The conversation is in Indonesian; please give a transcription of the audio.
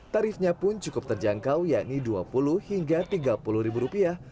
tarifnya pun cukup terjangkau yakni dua puluh hingga tiga puluh ribu rupiah